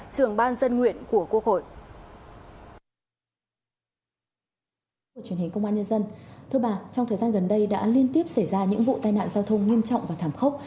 thưa bà trong thời gian gần đây đã liên tiếp xảy ra những vụ tai nạn giao thông nghiêm trọng và thảm khốc